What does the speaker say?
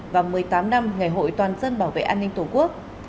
và một mươi tám năm ngày hội toàn dân bảo vệ an ninh tổ quốc